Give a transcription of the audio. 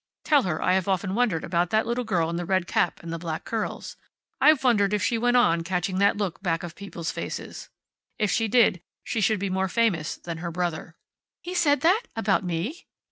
Tell her I have often wondered about that little girl in the red cap and the black curls. I've wondered if she went on, catching that look back of people's faces. If she did, she should be more famous than her brother."' "He said that! About me!"